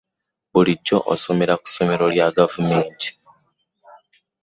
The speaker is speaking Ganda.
Bulijjo osomera ku somero lya gavumenti.